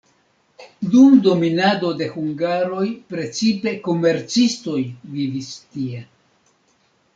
Dum dominado de hungaroj precipe komercistoj vivis tie.